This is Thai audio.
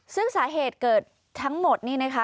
ซึ่งสาเหตุเกิดทั้งหมดนี่นะคะ